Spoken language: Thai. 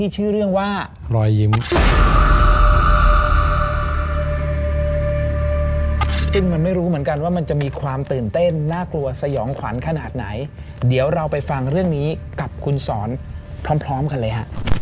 ซึ่งมันไม่รู้เหมือนกันว่ามันจะมีความตื่นเต้นน่ากลัวสยองขวัญขนาดไหนเดี๋ยวเราไปฟังเรื่องนี้กับคุณสอนพร้อมกันเลยฮะ